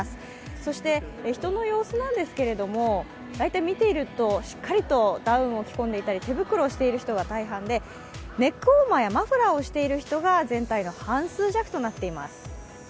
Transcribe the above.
そして人の様子なんですけれども大体、見ているとしっかりとダウンを着込んでいたり手袋をしている人が大半でネックウォーマーやマフラーをしている人が全体の半数弱となります。